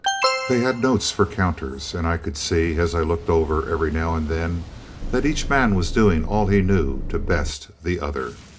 They had notes for counters, and I could see, as I looked over every now and then, that each man was doing all he knew to best the other.